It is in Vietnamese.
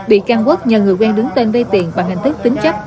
bị can quốc nhờ người quen đứng tên vây tiền bằng hành thức tính chấp